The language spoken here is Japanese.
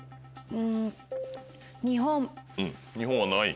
うん日本は何位？